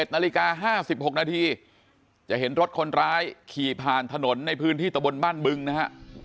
๑นาฬิกา๕๖นาทีจะเห็นรถคนร้ายขี่ผ่านถนนในพื้นที่ตะบนบ้านบึงนะฮะ